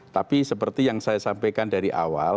tapi seperti yang saya sampaikan dari awal